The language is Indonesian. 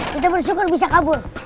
kita bersyukur bisa kabur